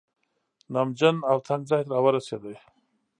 نمجن او تنګ ځای راورسېد.